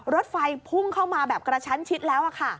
รถไฟพุ่งเข้ามาแบบกระชั้นชิดแล้ว